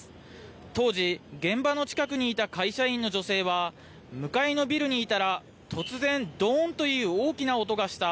当時、現場の近くにいた会社員の女性は、向かいのビルにいたら、突然、どーんという大きな音がした。